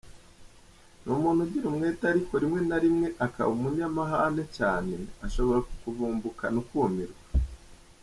Ni umuntu ugira umwete ariko rimwe narimwe akaba umunyamahane cyane, ashobora kukuvumbukana ukumirwa.